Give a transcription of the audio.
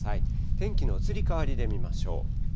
天気の移り変わりで見ましょう。